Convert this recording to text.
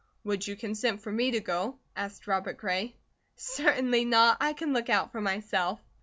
"Would you consent for me to go?" asked Robert Gray. "Certainly not! I can look out for myself."